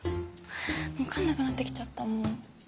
分かんなくなってきちゃったもう。